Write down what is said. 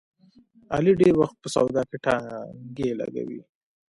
علي ډېری وخت په سودا کې ټانګې لګوي.